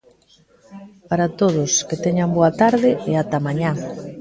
Para todos, que teñan boa tarde e ata mañá.